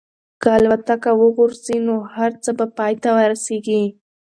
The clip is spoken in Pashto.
که الوتکه وغورځي نو هر څه به پای ته ورسېږي.